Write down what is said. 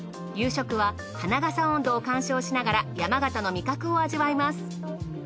夕食は花笠音頭を鑑賞しながら山形の味覚を味わいます。